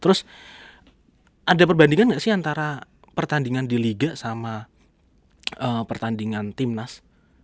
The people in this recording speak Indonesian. terus ada perbandingan nggak sih antara pertandingan di liga sama pertandingan timnas